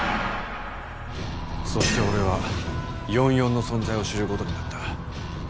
そして俺は４４の存在を知る事になった。